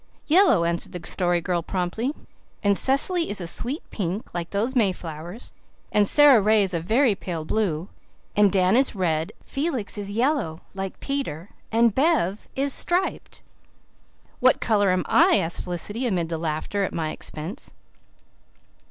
"Yellow," answered the Story Girl promptly. "And Cecily is a sweet pink, like those mayflowers, and Sara Ray is very pale blue, and Dan is red and Felix is yellow, like Peter, and Bev is striped." "What colour am I?" asked Felicity, amid the laughter at my expense.